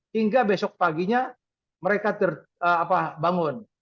hingga besok paginya mereka terbangun